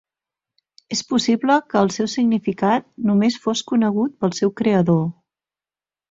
És possible que el seu significat només fos conegut pel seu creador.